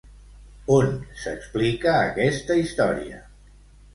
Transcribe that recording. On s'explica aquesta història?